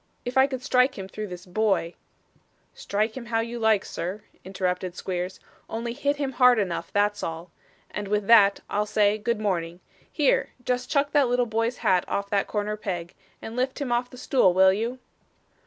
If I could strike him through this boy ' 'Strike him how you like, sir,' interrupted Squeers, 'only hit him hard enough, that's all and with that, I'll say good morning. Here! just chuck that little boy's hat off that corner peg, and lift him off the stool will you?